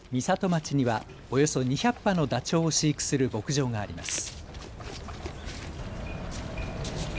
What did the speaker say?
町にはおよそ２００羽のダチョウを飼育する牧場があります。